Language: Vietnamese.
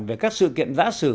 về các sự kiện giã sử